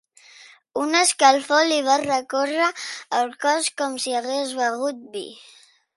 Una escalfor li va recórrer el cos com si hagués begut vi.